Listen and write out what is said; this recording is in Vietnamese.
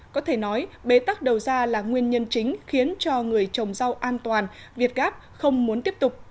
có thể nói bế tắc đầu ra là nguyên nhân chính khiến cho người trồng rau an toàn việt gáp không muốn tiếp tục